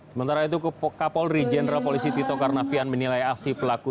sementara itu kapolri jenderal polisi tito karnavian menilai aksi pelaku